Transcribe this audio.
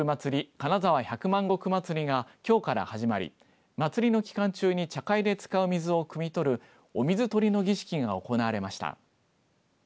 金沢百万石まつりがきょうから始まり祭りの期間中に茶会で使う水をくみ取るお水とりの儀式が行われました。